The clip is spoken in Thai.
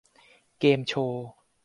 เกมส์โชว์